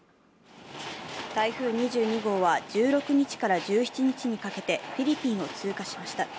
台風２２号は１６日から１７日にかけてフィリピンを通過しました。